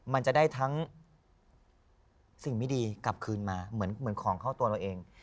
มันจะได้ทั้งสิ่งไม่ดีกลับคืนมาเหมือนของเข้าตัวเราเอง